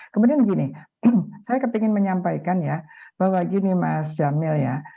kemudian gini saya ingin menyampaikan ya bahwa gini mas jamil ya